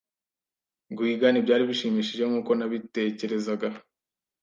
Guhiga ntibyari bishimishije nkuko nabitekerezaga.